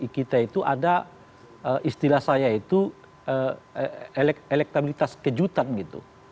kita itu ada istilah saya itu elektabilitas kejutan gitu